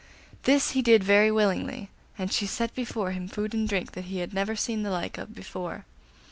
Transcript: This he did very willingly, and she set before him food and drink that he had never seen the like of before.